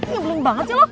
nyebelin banget sih lo